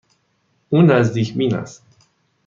او نزدیک بین است.